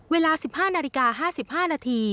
เวลา๑๕นาฬิกา๕๕นาที